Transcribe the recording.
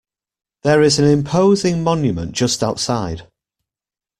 There is an imposing monument just outside.